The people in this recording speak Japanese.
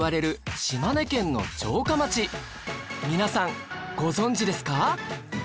皆さんご存じですか？